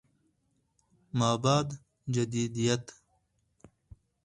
ما بعد جديديت